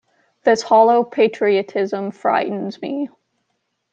This hollow patriotism frightens me.